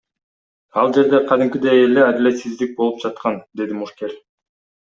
Ал жерде кадимкидей эле адилетсиздик болуп жаткан, — деди мушкер.